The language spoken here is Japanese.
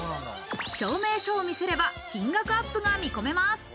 証明書を見せれば金額アップが見込めます。